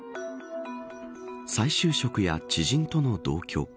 再就職や知人との同居